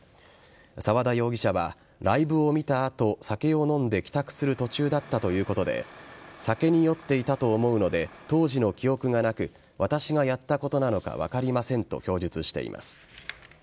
沢田容疑者はライブを見た後酒を飲んで帰宅する途中だったということで酒に酔っていたと思うので当時の記憶がなく私がやったことなのか分かりませんと供述しています。